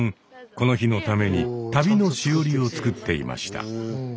この日のために旅のしおりを作っていました。